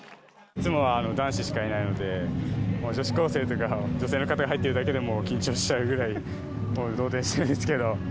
いつもは男子しかいないので、女子高生とか、女性の方が入っているだけで緊張しちゃうぐらい、動転してるんですけど。